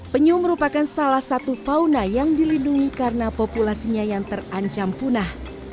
penyu merupakan salah satu fauna yang dilindungi karena populasinya yang terancam punah